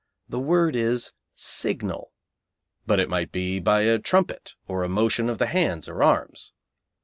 The word is "signal," but it might be by a trumpet, or a motion of the hands or arms.